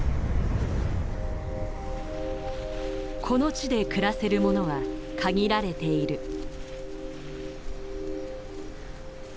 この地で暮らせるものは限られている。